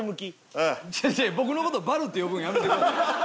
僕の事「バル」って呼ぶのやめてください。